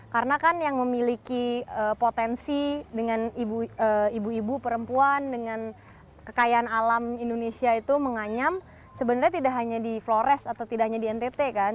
karena kan yang memiliki potensi dengan ibu ibu perempuan dengan kekayaan alam indonesia itu menganyam sebenarnya tidak hanya di flores atau tidak hanya di ntt kan